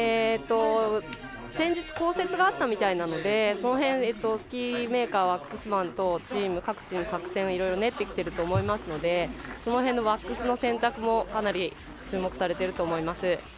先日、降雪があったみたいなのでその辺、スキーメーカーワックスマンと各チーム、作戦をいろいろ練ってきていると思いますのでその辺のワックスの選択もかなり注目されてると思います。